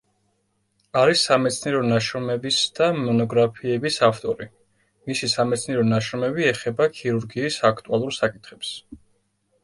არის სამეცნიერო ნაშრომების და მონოგრაფიების ავტორი, მისი სამეცნიერო ნაშრომები ეხება ქირურგიის აქტუალურ საკითხებს.